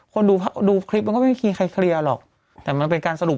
ภูมิเศร้าเราดูไม่เป็นตัวสัยพวกเราขนาดฉันเป็นคนที่